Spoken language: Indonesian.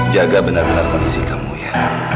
jaga benar benar kondisi kamu ya